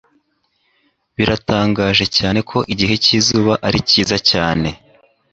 Biratangaje cyane ko igihe cyizuba ari cyiza cyane;